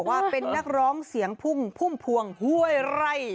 ว่าเป็นนักร้องเสียงพุ่งพุ่มพวงห้วยไร่